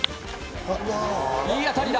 いい当たりだ。